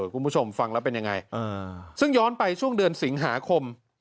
คุณผู้ชมฟังแล้วเป็นยังไงซึ่งย้อนไปช่วงเดือนสิงหาคม